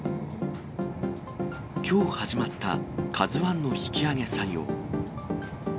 きょう始まったＫＡＺＵＩの引き揚げ作業。